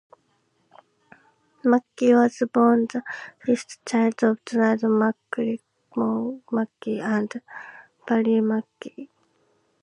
MacKay was born the fifth child of Donald MacCrimmon MacKay and Valerie MacKay.